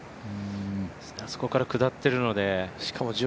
あそこから下ってるので。